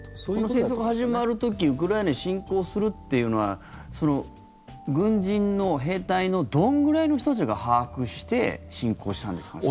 戦争が始まる時ウクライナに侵攻するというのは軍人の、兵隊のどれぐらいの人たちが把握して侵攻したんですかね？